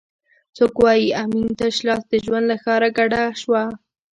څوک وایي امین تش لاس د ژوند له ښاره کډه شو؟